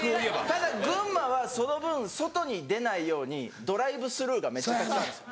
ただ群馬はその分外に出ないようにドライブスルーがめっちゃたくさんあるんです。